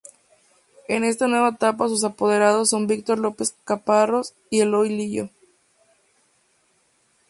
En esta nueva etapa sus apoderados son Víctor López Caparrós y Eloy Lillo.